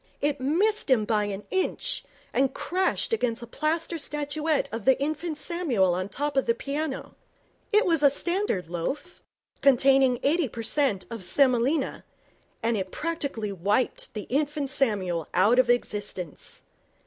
It missed him by an inch, and crashed against a plaster statuette of the Infant Samuel on the top of the piano. It was a standard loaf, containing eighty per cent of semolina, and it practically wiped the Infant Samuel out of existence.